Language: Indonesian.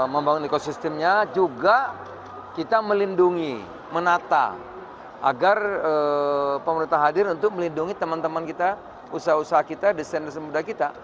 membangun ekosistemnya juga kita melindungi menata agar pemerintah hadir untuk melindungi teman teman kita usaha usaha kita desain desain muda kita